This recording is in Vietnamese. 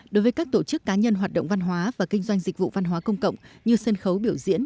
đối với các tổ chức cá nhân hoạt động văn hóa và kinh doanh dịch vụ văn hóa công cộng như sân khấu biểu diễn